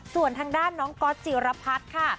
ส่วนทางด้านน้องก๊อตจิรพัฒน์ค่ะ